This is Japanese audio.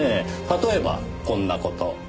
例えばこんな事。